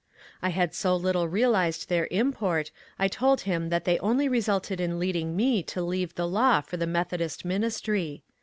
I had so little realized their import, I told him that they only resulted in leading me to leave the law for the Methodist ministry.